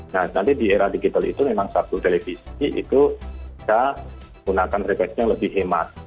nah nanti di era digital itu memang satu televisi itu bisa gunakan refleksi yang lebih hemat